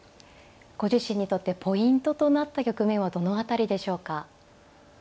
ご自身にとってポイントとなった局面はどの辺りでしょうか。